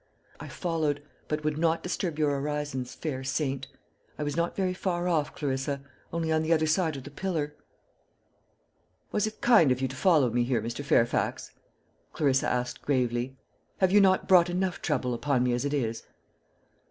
I followed, but would not disturb your orisons, fair saint. I was not very far off, Clarissa only on the other side of the pillar." "Was it kind of you to follow me here, Mr. Fairfax?" Clarissa asked gravely. "Have you not brought enough trouble upon me as it is?"